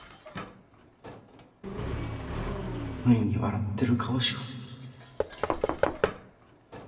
無理に笑ってる顔しか。